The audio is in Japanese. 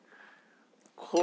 これ。